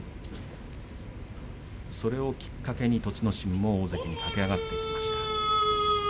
それをきっかけに栃ノ心も大関に駆け上がっていきました。